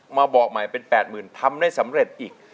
มาบอกใหม่เป็น๘๐๐๐ทำได้สำเร็จอีก